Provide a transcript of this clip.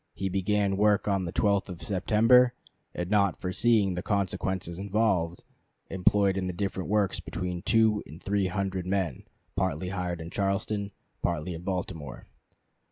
He began work on the 12th of September; and not foreseeing the consequences involved, employed in the different works between two and three hundred men, partly hired in Charleston, partly in Baltimore.